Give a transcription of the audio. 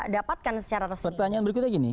dapatkan secara restok pertanyaan berikutnya gini